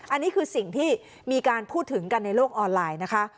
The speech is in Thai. อันนี้คือสิ่งที่มีการพูดถึงกันในโลกออนไลน์นะคะ